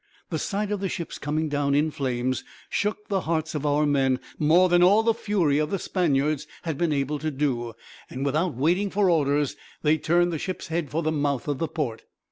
The sight of the ships coming down, in flames, shook the hearts of our men more than all the fury of the Spaniards had been able to do; and without waiting for orders, they turned the ship's head for the mouth of the port.